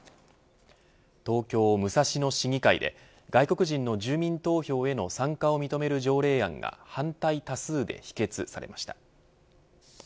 東京、武蔵野市議会で外国人の住民投票への参加を認める条例案が反対多数で否決されました。